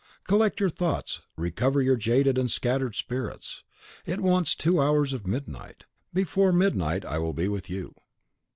Collect your thoughts, recover your jaded and scattered spirits. It wants two hours of midnight. Before midnight I will be with you."